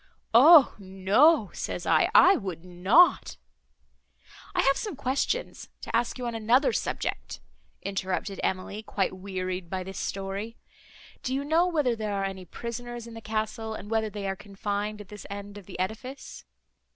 'O no,' says I, 'I would not—'" "I have some questions to ask you on another subject," interrupted Emily, quite wearied by this story. "Do you know whether there are any prisoners in the castle, and whether they are confined at this end of the edifice?"